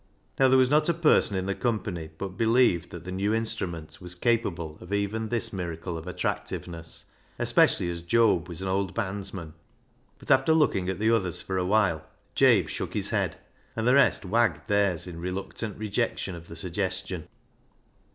Now, there was not a person in the company but believed that the new instrument was capable of even this miracle of attractiveness, especially as Job was an old bandsman, but after looking at the others for a while, Jabe shook his head, and the rest wagged theirs in reluctant rejection of the suggestion.